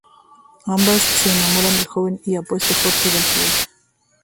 Ambas se enamoran del joven y apuesto Jorge Valtierra.